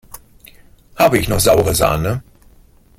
Habe ich noch saure Sahne?